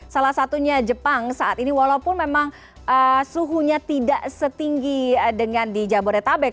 salah satunya jepang saat ini walaupun memang suhunya tidak setinggi dengan di jabodetabek